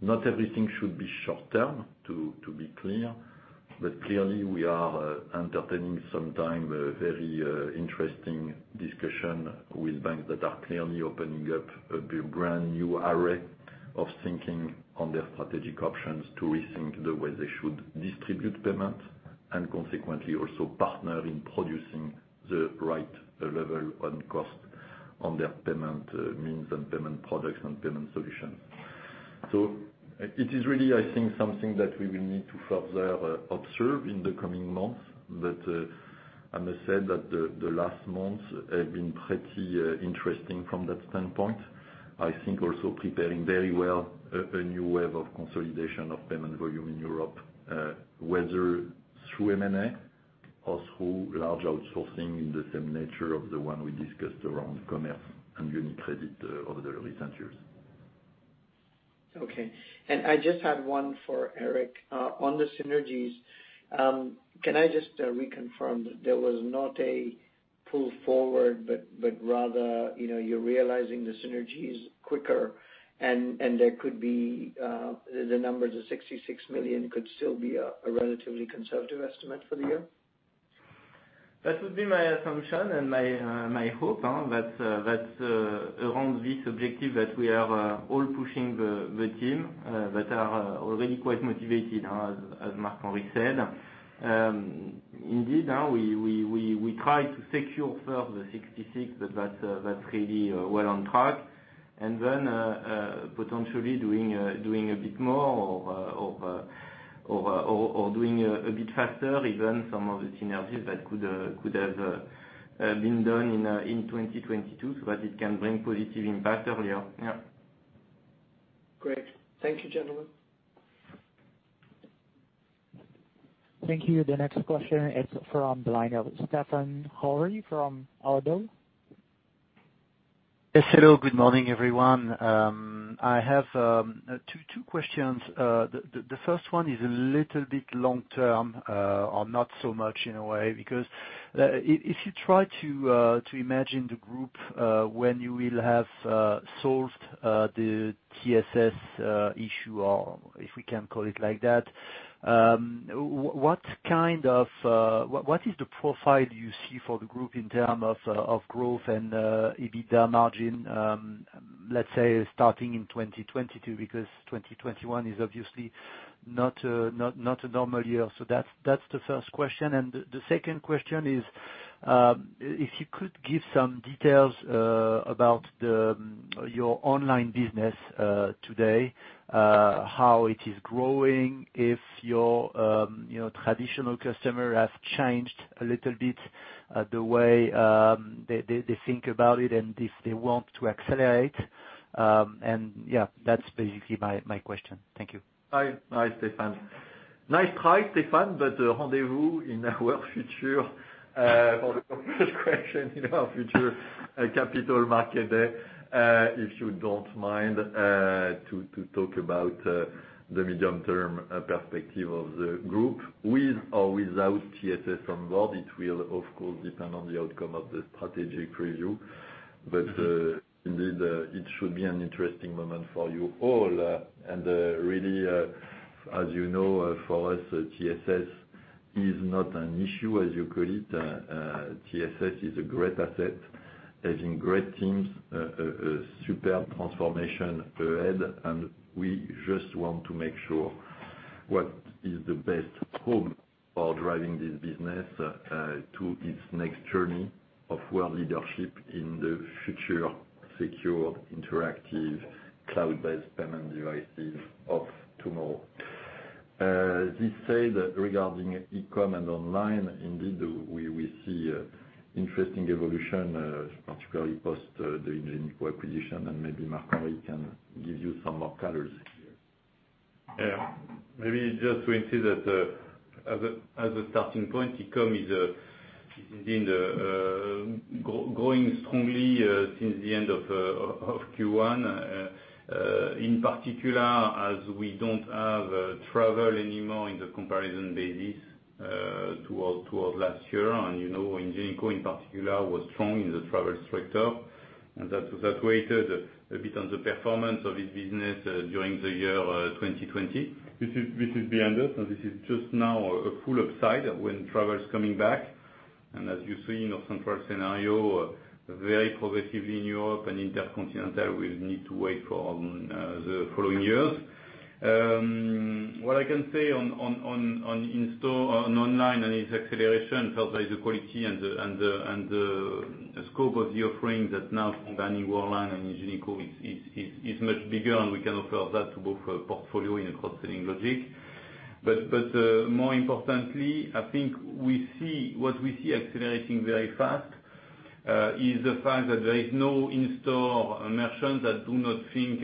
Not everything should be short term, to be clear. Clearly we are entertaining sometime a very interesting discussion with banks that are clearly opening up a brand new array of thinking on their strategic options to rethink the way they should distribute payments, and consequently also partner in producing the right level on cost on their payment means and payment products and payment solutions. It is really, I think, something that we will need to further observe in the coming months. I must say that the last months have been pretty interesting from that standpoint. I think also preparing very well a new wave of consolidation of payment volume in Europe, whether through M&A or through large outsourcing in the same nature of the one we discussed around Commerz and UniCredit over the recent years. Okay. I just had one for Eric on the synergies. Can I just reconfirm, there was not a pull forward, but rather, you're realizing the synergies quicker and there could be the numbers, the 66 million could still be a relatively conservative estimate for the year? That would be my assumption and my hope. That around this objective that we are all pushing the team, that are already quite motivated, as Marc-Henri said. Indeed, we try to secure further 66, but that's really well on track. Potentially doing a bit more or doing a bit faster even some of the synergies that could have been done in 2022, so that it can bring positive impact earlier. Yeah. Great. Thank you, gentlemen. Thank you. The next question is from the line of Stéphane Houri from ODDO. Yes, hello. Good morning, everyone. I have two questions. The first one is a little bit long-term, or not so much in a way, because if you try to imagine the group when you will have solved the TSS issue, or if we can call it like that, what is the profile you see for the group in term of growth and EBITDA margin, let's say starting in 2022? 2021 is obviously not a normal year. That's the first question. The second question is, if you could give some details about your online business today, how it is growing, if your traditional customer has changed a little bit the way they think about it, and if they want to accelerate. That's basically my question. Thank you. Hi, Stéphane. Nice try, Stéphane, but rendezvous in our future for the first question in our future Capital Market Day, if you don't mind, to talk about the medium-term perspective of the group with or without TSS on board. It will, of course, depend on the outcome of the strategic review. Indeed, it should be an interesting moment for you all. Really, as you know, for us, TSS is not an issue, as you call it. TSS is a great asset, having great teams, a superb transformation ahead, and we just want to make sure what is the best home for driving this business to its next journey of world leadership in the future secure, interactive, cloud-based payment devices of tomorrow. This said, regarding e-commerce and online, indeed, we see interesting evolution, particularly post the Ingenico acquisition, and maybe Marc-Henri, he can give you some more colors here. Yeah. Maybe just to insist that as a starting point, e-com is indeed growing strongly since the end of Q1. In particular, as we don't have travel anymore in the comparison basis towards last year. Ingenico, in particular, was strong in the travel sector, and that weighted a bit on the performance of this business during the year 2020. This is behind us, and this is just now a full upside when travel's coming back. As you see in our central scenario, very progressively in Europe and intercontinental, we'll need to wait for the following years. What I can say on in-store, on online and its acceleration, firstly, the quality and the scope of the offering that now combining Worldline and Ingenico is much bigger, and we can offer that to both portfolio in a cross-selling logic. More importantly, I think what we see accelerating very fast is the fact that there is no in-store merchants that do not think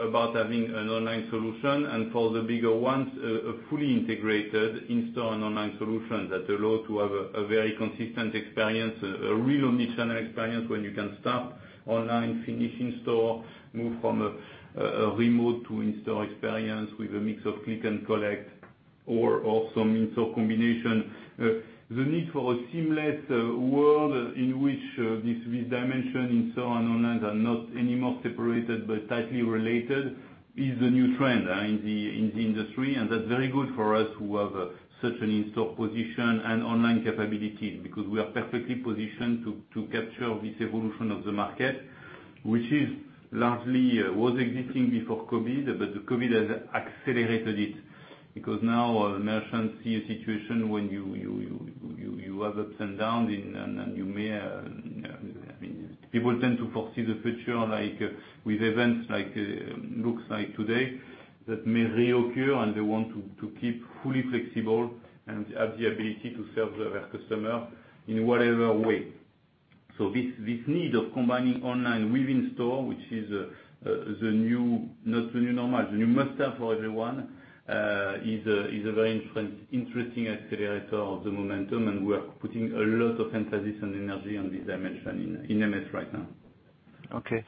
about having an online solution. For the bigger ones, a fully integrated in-store and online solution that allow to have a very consistent experience, a real omni-channel experience where you can start online, finish in-store, move from a remote to in-store experience with a mix of click and collect or some in-store combination. The need for a seamless world in which this dimension in-store and online are not any more separated, but tightly related, is the new trend in the industry. That's very good for us who have such an in-store position and online capabilities, because we are perfectly positioned to capture this evolution of the market. Which largely was existing before COVID, but the COVID has accelerated it, because now merchants see a situation when you have ups and downs, people tend to foresee the future, with events looks like today, that may reoccur, and they want to keep fully flexible and have the ability to serve their customer in whatever way. This need of combining online with in-store, which is not the new normal, the new must have for everyone, is a very interesting accelerator of the momentum, and we are putting a lot of emphasis and energy on this dimension in MS right now. Okay.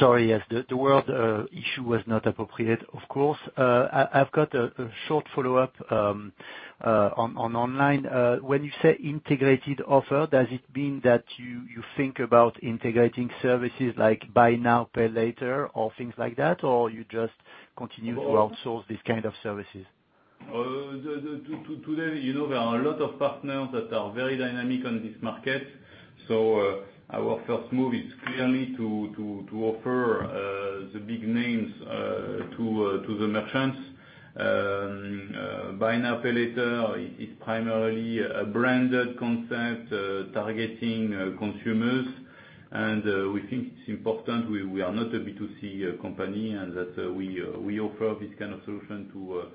Sorry, yes. The word issue was not appropriate, of course. I've got a short follow-up on online. When you say integrated offer, does it mean that you think about integrating services like buy now, pay later or things like that? You just continue to outsource these kind of services? Today, there are a lot of partners that are very dynamic on this market. Our first move is clearly to offer the big names to the merchants. Buy now, pay later is primarily a branded concept targeting consumers. We think it's important, we are not a B2C company, and that we offer this kind of solution,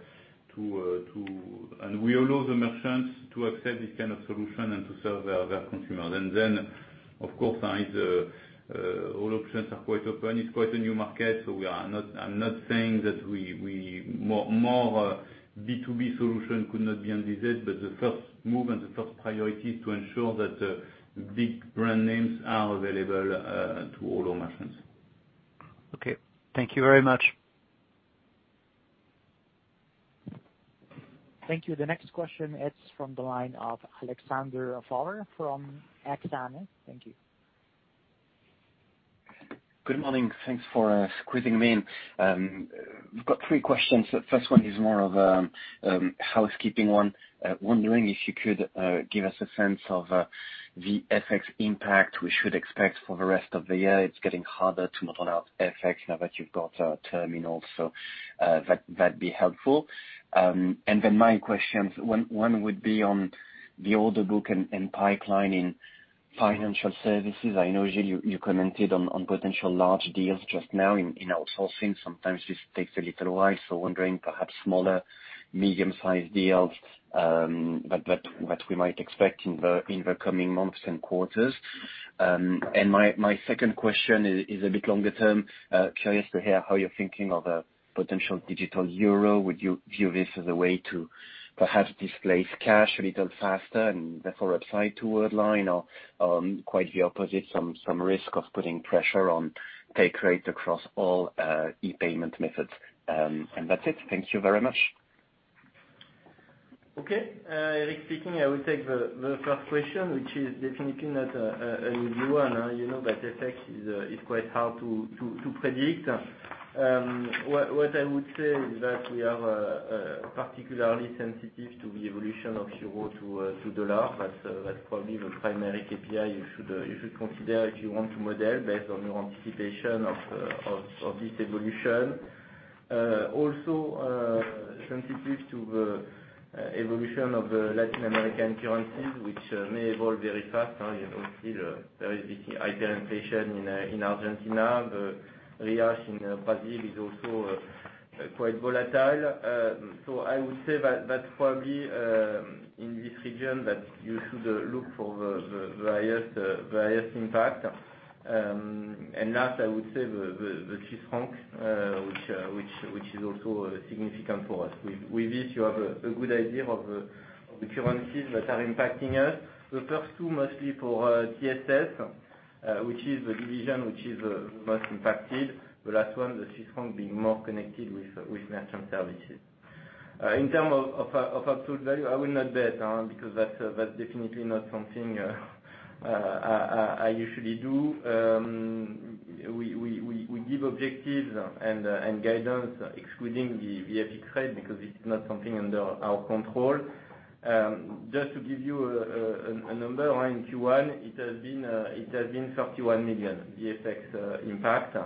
and we allow the merchants to accept this kind of solution and to serve their consumers. Of course, all options are quite open. It's quite a new market, I'm not saying that more B2B solution could not be envisaged. The first move and the first priority is to ensure that big brand names are available to all our merchants. Okay. Thank you very much. Thank you. The next question is from the line of Alexander Faure from Exane. Thank you. Good morning. Thanks for squeezing me in. We've got three questions. The first one is more of a housekeeping one. Wondering if you could give us a sense of the FX impact we should expect for the rest of the year, it's getting harder to model out FX now that you've got Terminals. That'd be helpful. My questions, one would be on the order book and pipeline in Financial Services. I know, Gilles, you commented on potential large deals just now in outsourcing. Sometimes this takes a little while, wondering perhaps smaller, medium-sized deals, what we might expect in the coming months and quarters. My second question is a bit longer-term. Curious to hear how you're thinking of a potential digital euro. Would you view this as a way to perhaps displace cash a little faster and therefore upside to Worldline? Quite the opposite, some risk of putting pressure on take rates across all e-payment methods? That's it. Thank you very much. Okay. Eric speaking. I will take the first question, which is definitely not an easy one. You know that FX is quite hard to predict. What I would say is that we are particularly sensitive to the evolution of euro to dollar. That's probably the primary KPI you should consider if you want to model based on your anticipation of this evolution. Also sensitive to the evolution of the Latin American currencies, which may evolve very fast. You know, still there is this hyperinflation in Argentina, the reais in Brazil is also quite volatile. I would say that, probably, in this region that you should look for the various impact. Last, I would say the Swiss franc, which is also significant for us. With this, you have a good idea of the currencies that are impacting us. The first two, mostly for TSS, which is the division which is the most impacted. The last one, the Swiss franc, being more connected with Merchant Services. In terms of absolute value, I will not bet, because that's definitely not something I usually do. We give objectives and guidance excluding the FX rate, because this is not something under our control. Just to give you a number, in Q1 it has been 31 million, the FX impact,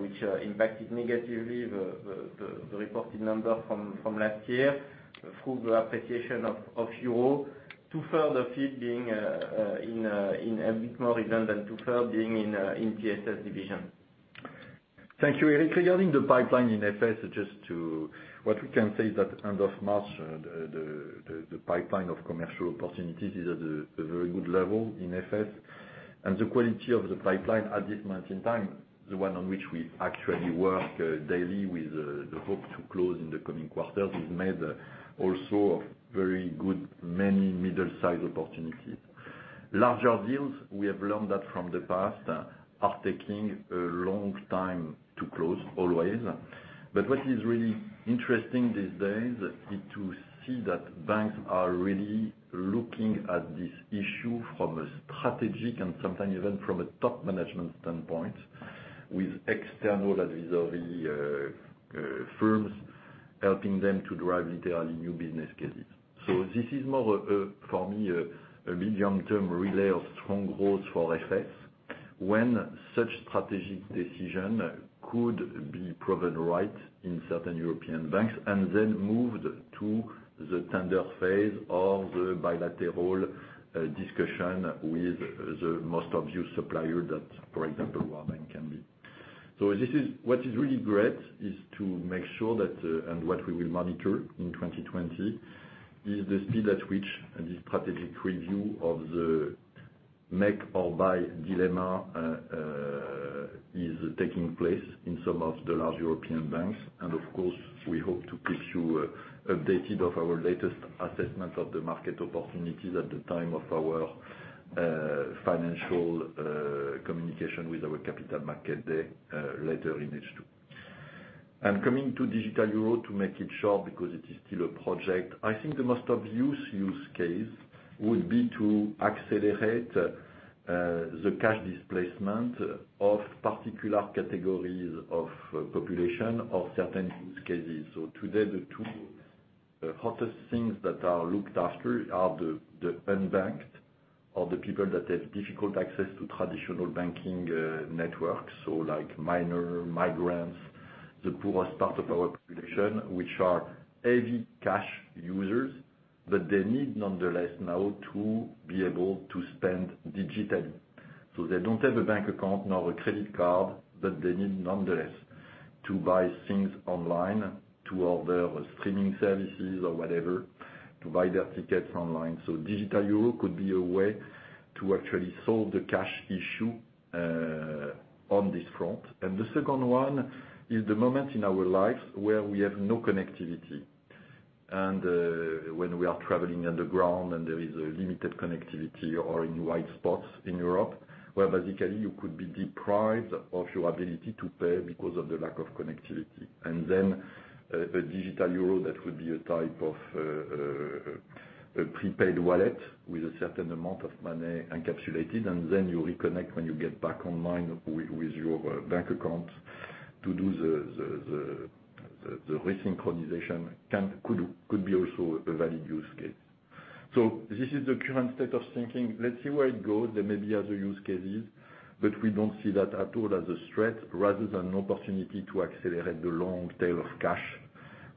which impacted negatively the reported number from last year through the appreciation of EUR. Two-thirds of it being a bit more even than two-thirds being in TSS division. Thank you, Eric. Regarding the pipeline in FS, what we can say is that end of March, the pipeline of commercial opportunities is at a very good level in FS. The quality of the pipeline at this point in time, the one on which we actually work daily with the hope to close in the coming quarters, is made also of very good, many middle-sized opportunities. Larger deals, we have learned that from the past, are taking a long time to close always. What is really interesting these days is to see that banks are really looking at this issue from a strategic and sometimes even from a top management standpoint with external advisory firms helping them to drive literally new business cases. This is more, for me, a medium-term relay of strong growth for FS. When such strategic decision could be proven right in certain European banks, then moved to the tender phase or the bilateral discussion with the most obvious supplier that, for example, Worldline can be. What is really great is to make sure that, and what we will monitor in 2020, is the speed at which this strategic review of the make or buy dilemma is taking place in some of the large European banks. Of course, we hope to keep you updated of our latest assessment of the market opportunities at the time of our financial communication with our capital market day later in H2. Coming to digital euro, to make it short, because it is still a project, I think the most obvious use case would be to accelerate the cash displacement of particular categories of population of certain use cases. Today, the two hottest things that are looked after are the unbanked or the people that have difficult access to traditional banking networks. Like minor, migrants, the poorest part of our population, which are heavy cash users, but they need, nonetheless, now to be able to spend digitally. They don't have a bank account, nor a credit card, but they need, nonetheless, to buy things online, to order streaming services or whatever, to buy their tickets online. Digital euro could be a way to actually solve the cash issue on this front. The second one is the moment in our lives where we have no connectivity. When we are traveling underground and there is a limited connectivity or in white spots in Europe, where basically you could be deprived of your ability to pay because of the lack of connectivity. A digital euro, that would be a type of a prepaid wallet with a certain amount of money encapsulated, and then you reconnect when you get back online with your bank account to do the resynchronization could be also a valid use case. This is the current state of thinking. Let's see where it goes. There may be other use cases, but we don't see that at all as a threat, rather than an opportunity to accelerate the long tail of cash.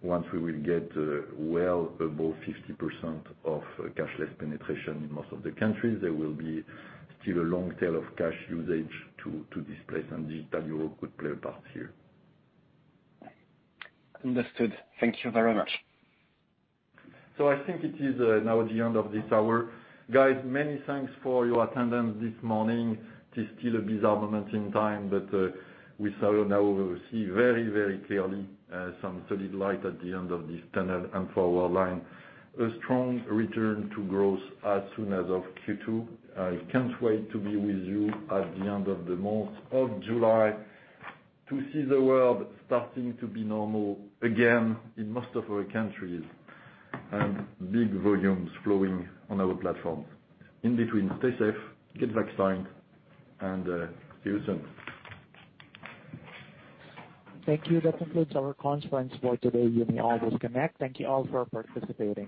Once we will get well above 50% of cashless penetration in most of the countries, there will be still a long tail of cash usage to displace, and digital euro could play a part here. Understood. Thank you very much. I think it is now the end of this hour. Guys, many thanks for your attendance this morning. It is still a bizarre moment in time, but we saw now, we see very clearly some solid light at the end of this tunnel and for Worldline, a strong return to growth as soon as of Q2. I can't wait to be with you at the end of the month of July to see the world starting to be normal again in most of our countries, and big volumes flowing on our platform. In between, stay safe, get vaccine, and see you soon. Thank you. That concludes our conference for today. You may all disconnect. Thank you all for participating.